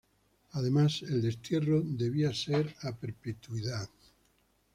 Además el destierro debía ser a perpetuidad.